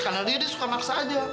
karena dia suka maksa aja